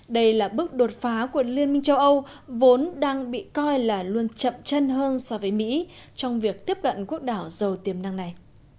đây là bước đột phá của liên minh châu âu vốn đang bị coi là luôn chậm chân hơn so với mỹ trong việc tiếp cận quốc đảo giàu tiềm năng này